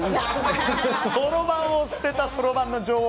そろばんを捨てたそろばんの女王！